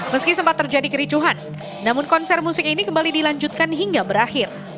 meski sempat terjadi kericuhan namun konser musik ini kembali dilanjutkan hingga berakhir